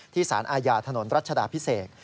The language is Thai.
สารอาญาถนนรัชดาพิเศษ